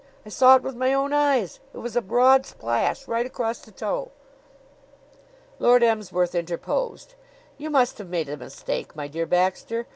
I saw it with my own eyes. It was a broad splash right across the toe." Lord Emsworth interposed. "You must have made a mistake, my dear Baxter.